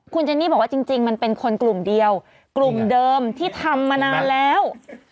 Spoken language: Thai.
คุณเจนนี่บอกว่าจริงมันเป็นคนกลุ่มเดียวกลุ่มเดิมที่ทำมานานแล้ว